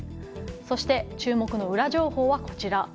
そして、注目のウラ情報はこちら。